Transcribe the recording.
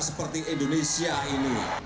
seperti indonesia ini